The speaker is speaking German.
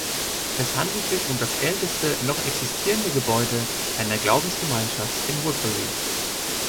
Es handelt sich um das älteste noch existierende Gebäude einer Glaubensgemeinschaft in Woodbury.